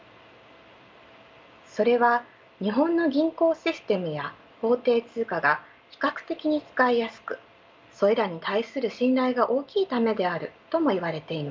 それは日本の銀行システムや法定通貨が比較的に使いやすくそれらに対する信頼が大きいためであるともいわれています。